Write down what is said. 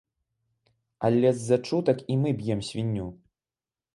Але з-за чутак і мы б'ем свінню.